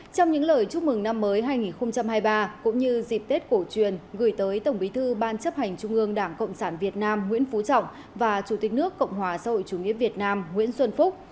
trong những lời chúc mừng năm mới hai nghìn hai mươi ba cũng như dịp tết cổ truyền gửi tới tổng bí thư ban chấp hành trung ương đảng cộng sản việt nam nguyễn phú trọng và chủ tịch nước cộng hòa xã hội chủ nghĩa việt nam nguyễn xuân phúc